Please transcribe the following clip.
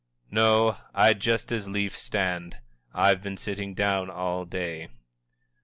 "No, I'd just as lief stand; I've been sitting down all day."